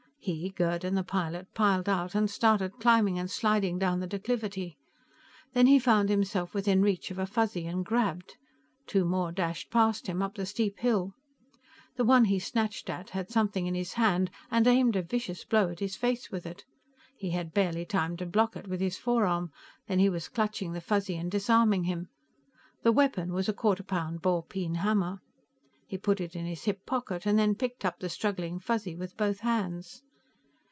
He, Gerd and the pilot piled out and started climbing and sliding down the declivity. Then he found himself within reach of a Fuzzy and grabbed. Two more dashed past him, up the steep hill. The one he snatched at had something in his hand, and aimed a vicious blow at his face with it; he had barely time to block it with his forearm. Then he was clutching the Fuzzy and disarming him; the weapon was a quarter pound ballpeen hammer. He put it in his hip pocket and then picked up the struggling Fuzzy with both hands.